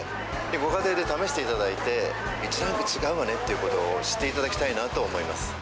ご家庭で試していただいて、１ランク違うわねということを知っていただきたいなと思います。